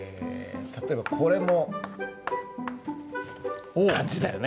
例えばこれも漢字だよね。